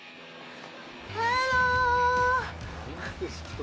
ハロー。